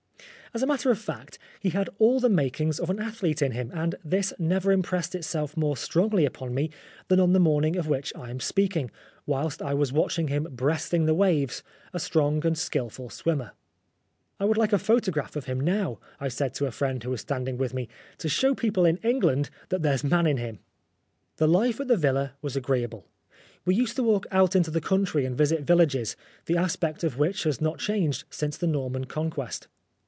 As a matter of fact, he had all the makings of an athlete in him, and this never impressed itself more strongly upon me than on the morning of which I am speaking, whilst I was watching him breasting the waves, a strong and skilful swimmer. " I would like a photograph of him now," I said to a friend who was standing with me, "to show people in England that there's a man in him." The life at the villa was agreeable. We used to walk out into the country and visit villages, the aspect of which has not changed since the Norman Conquest.